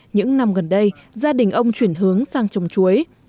những năm gần đây gia đình ông chuyển hướng sang trồng chuối